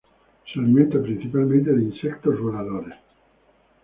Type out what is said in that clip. Se alimenta principalmente de insectos voladores.